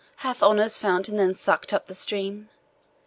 Hath Honour's fountain then suck'd up the stream?